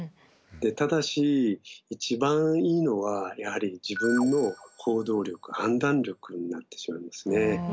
ただし一番いいのはやはり自分の行動力・判断力になってしまうんですね。